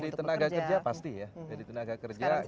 dari tenaga kerja pasti ya dari tenaga kerja